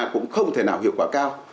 cũng không thể nào hiệu quả cao